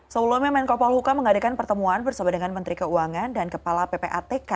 sebelumnya menko polhuka mengadakan pertemuan bersama dengan menteri keuangan dan kepala ppatk